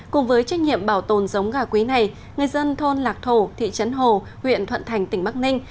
cùng với trách nhiệm bảo tồn giống gà quý này người dân thôn lạc thổ thị trấn hồ huyện thuận thành tỉnh bắc ninh